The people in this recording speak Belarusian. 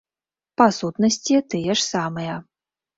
Па сутнасці, тыя ж самыя.